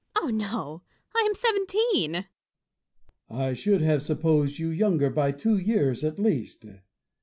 Fontanges. Oh, no ! I am seventeen. Bossuet. I should have supposed you younger by two years at least.